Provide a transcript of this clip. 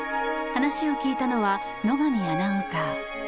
話を聞いたのは野上アナウンサー。